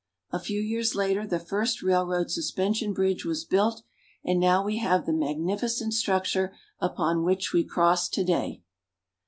A few years later the first railroad suspension bridge was built, and now we have the mag nificent structure upon which we cross to day.